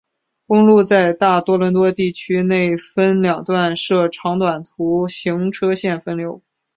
公路在大多伦多地区内分两段设长短途行车线分流。